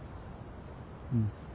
うん。